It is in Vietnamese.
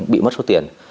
bị mất số tiền